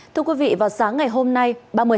thưa quý vị vào sáng ngày hôm nay